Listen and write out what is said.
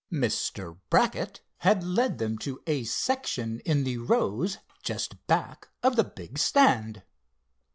Mr. Brackett had led them to a section in the rows just back of the big stand.